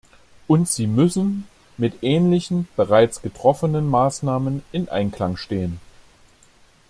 Und sie müssen mit ähnlichen, bereits getroffenen Maßnahmen in Einklang stehen.